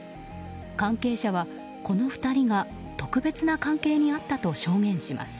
関係者は、この２人が特別な関係にあったと証言します。